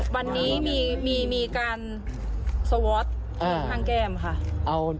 วันนี้มีการสวอตข้างแก้มค่ะ